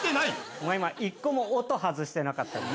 お前今１個も音外してなかったやん。